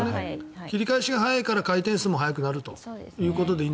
切り返しが速いから回転数も多くなると。